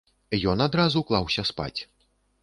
Ён адразу клаўся спаць.